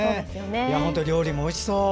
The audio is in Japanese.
本当に料理もおいしそう。